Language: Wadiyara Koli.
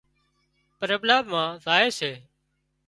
پرٻلا مان زائي سي